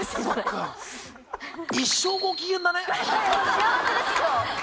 幸せです今日。